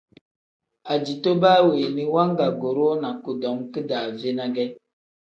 Ajito baa weeni wangaguurinaa kudom kidaave ne ge.